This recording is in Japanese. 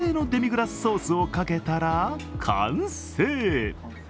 特製のデミグラスソースをかけたら完成。